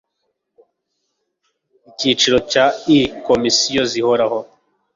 icyiciro cya ii komisiyo zihoraho